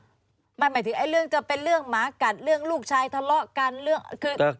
หมายถึงจะเป็นเรื่องหมากัดเรื่องลูกชายทะเลาะกัน